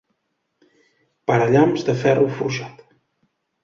Parallamps de ferro forjat.